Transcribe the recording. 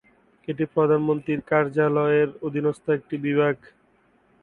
এটি প্রধানমন্ত্রীর কার্যালয় এর অধীনস্থ একটি বিভাগ।